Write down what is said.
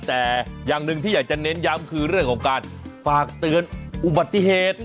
แต่อย่างหนึ่งที่อยากจะเน้นย้ำคือเรื่องของการฝากเตือนอุบัติเหตุ